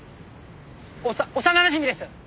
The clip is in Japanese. おさ幼なじみです。